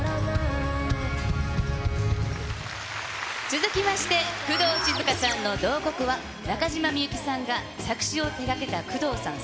続きまして、工藤静香さんの慟哭は、中島みゆきさんが作詞を手がけた工藤さん